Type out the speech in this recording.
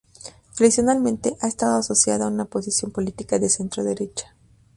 Tradicionalmente ha estado asociada a una posición política de centro-derecha.